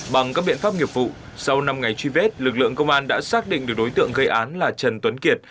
bằng các biện pháp nghiệp vụ sau năm ngày truy vết lực lượng công an đã xác định được đối tượng gây án là trần tuấn kiệt